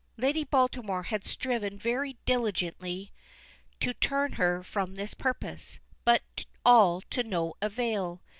Lady Baltimore had striven very diligently to turn her from this purpose, but all to no avail.